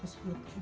terus sama domi